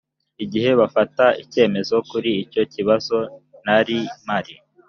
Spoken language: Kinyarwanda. igihe bafata ibyemezo kuri icyo kibazo nari mpari